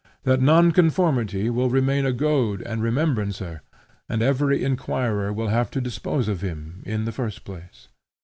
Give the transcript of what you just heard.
That nonconformity will remain a goad and remembrancer, and every inquirer will have to dispose of him, in the first place.